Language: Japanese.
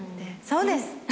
そうです！